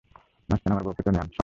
মাঝখানে আমার বউকে টেনে আনছো।